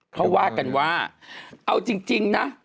เขาว่ากันว่าเอาจริงนะ